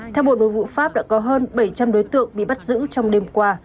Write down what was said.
theo bộ nội vụ pháp đã có hơn bảy trăm linh đối tượng bị bắt giữ trong đêm qua